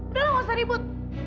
udah lah nggak usah ribut